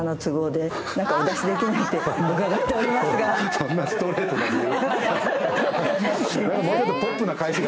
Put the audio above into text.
そんなストレートな理由？